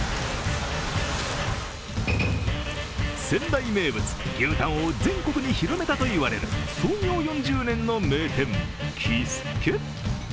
仙台名物、牛タンを全国に広めたといわれる創業４０年の名店、喜助。